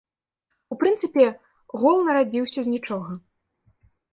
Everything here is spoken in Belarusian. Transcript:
У прынцыпе, гол нарадзіўся з нічога.